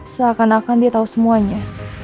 seakan akan dia tahu semuanya